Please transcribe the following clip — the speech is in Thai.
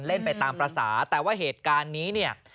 เล่นไปตามภาษาแต่ว่าเหตุการณ์นี้เนี่ย